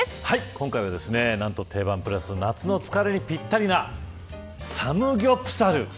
今回は、何とテイバンプラス夏の疲れにぴったりなサムギョプサル。